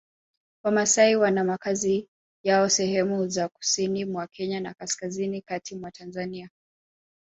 Wamasai wana makazi yao sehemu za Kusini mwa Kenya na Kaskazini kati mwa Tanzania